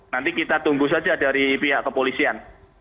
nanti kita tunggu saja dari pihak kepolisian